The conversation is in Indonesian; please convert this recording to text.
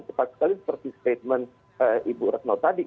tepat sekali seperti statement ibu ratnaw tadi